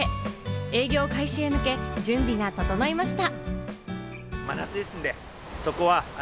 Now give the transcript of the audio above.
営業開始へ向け準備が整いました。